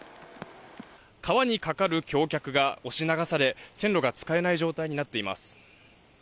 川に架かる橋脚が押し流され、線路が使えない状態になっています。